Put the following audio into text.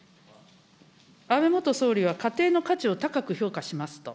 安倍元総理は家庭の価値を高く評価しますと。